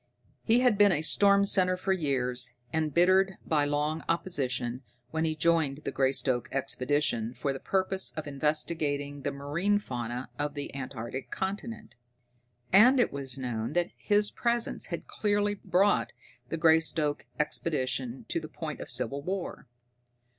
He had been a storm center for years, embittered by long opposition, when he joined the Greystoke Expedition for the purpose of investigating the marine fauna of the antarctic continent. And it was known that his presence had nearly brought the Greystoke Expedition to the point of civil war.